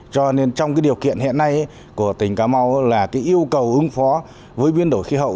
cho nên trong cái điều kiện hiện nay của tỉnh cà mau là yêu cầu ứng phó với biến đổi khí hậu